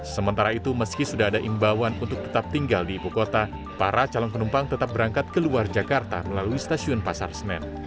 sementara itu meski sudah ada imbauan untuk tetap tinggal di ibu kota para calon penumpang tetap berangkat ke luar jakarta melalui stasiun pasar senen